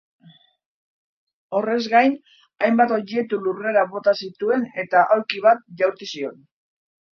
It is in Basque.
Horrez gain, hainbat objektu lurrera bota zituen eta aulki bat jaurti zion.